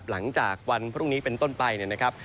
หลังจากวันพรุ่งนี้เป็นต้นไปเนี่ยนะครับ